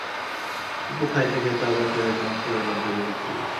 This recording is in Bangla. অপু খাইতে খাইতে অবাক হইয়া সমস্ত ব্যাপার দেখিতেছিল।